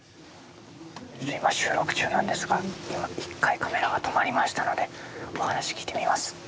今収録中なんですが今一回カメラが止まりましたのでお話聞いてみます。